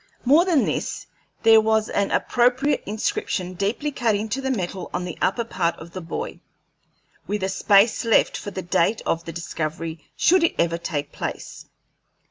More than this, there was an appropriate inscription deeply cut into the metal on the upper part of the buoy, with a space left for the date of the discovery, should it ever take place.